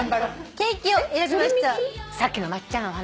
さっきの「まっちゃなお鼻」